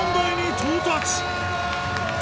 到達！